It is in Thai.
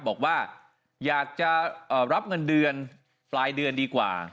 บอกว่าอยากจะรับเงินเดือนปลายเดือนดีกว่า